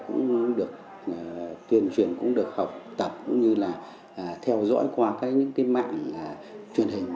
cũng được tuyên truyền cũng được học tập cũng như là theo dõi qua các những cái mạng truyền hình